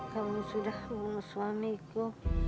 kamu sudah mau sama suamiku